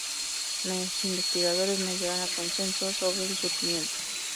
Los investigadores no llegan a consenso sobre el surgimiento.